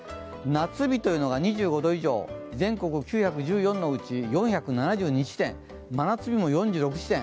夏日というのが２５度以上、全国９１４のうち４７２地点、真夏日も４６地点。